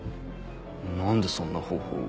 何でそんな方法を。